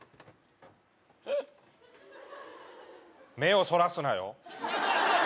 目をそらすなよ